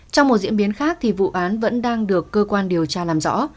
trong một diễn biến khác vụ án vẫn đang được cơ quan điều tra làm rõ